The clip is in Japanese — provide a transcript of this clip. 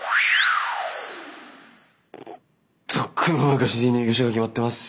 とっくの昔に入居者が決まってます。